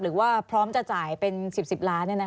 หรือว่าพร้อมจะจ่ายเป็น๑๐ล้านนี่นะฮะ